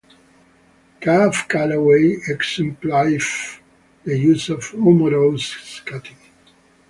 Cab Calloway exemplified the use of humorous scatting.